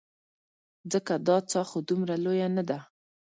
ځکه دا څاه خو دومره لویه نه ده.